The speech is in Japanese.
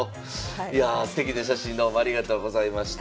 いやすてきな写真どうもありがとうございました。